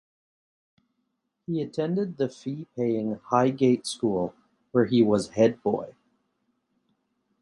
He attended the fee-paying Highgate School where he was Head Boy.